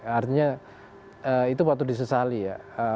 artinya itu waktu disesali ya